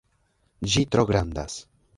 Ĝi tro grandas.